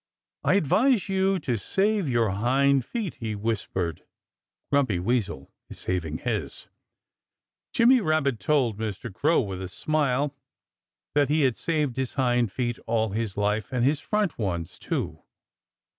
"I advise you to save your hind feet," he whispered. "Grumpy Weasel is saving his." Jimmy Rabbit told Mr. Crow, with a smile, that he had saved his hind feet all his life and his front ones, too.